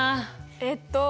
えっと。